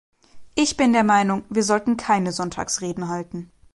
Ich bin der Meinung, wir sollen keine Sonntagsreden halten.